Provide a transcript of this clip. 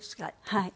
はい。